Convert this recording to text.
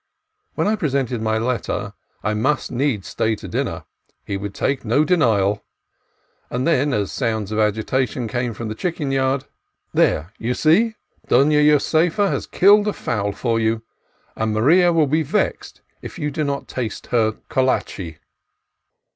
When I presented my letter, I must needs stay to dinner; he would take no denial; and then, as sounds of agitation came from the chicken yard — "There! you see? Dona Josefa has killed a fowl for you, and Maria will be vexed if you do not taste her colachi."